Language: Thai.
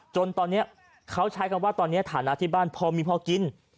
จนตอนนี้เขาใช้คำว่าตอนนี้ฐานะที่บ้านพอมีพอกิน